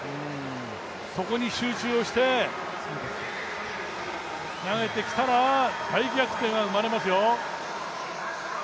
そこに集中をして投げてきたら大逆転が生まれますよ。